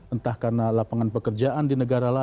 entah karena lapangan pekerjaan di negara lain